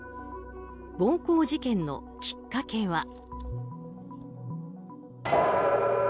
暴行事件のきっかけは。